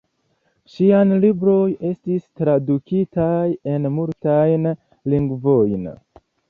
Ŝiaj libroj estis tradukitaj en multajn lingvojn.